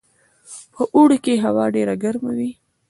په اوړي کې هوا ډیره ګرمه وي